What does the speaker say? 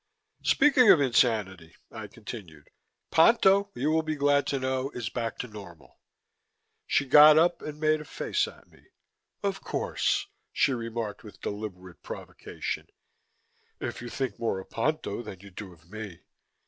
"Speaking of insanity," I continued, "Ponto, you will be glad to know, is back to normal." She got up and made a face at me. "Of course," she remarked with deliberate provocation, "If you think more of Ponto than you do of me.